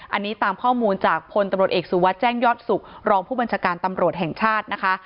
อันนี้ตามข้อมูลจากพลตำรวจเอกสุวัสดิ์แจ้งยอดสุขรองผู้บัญชาการตำรวจแห่งชาตินะคะ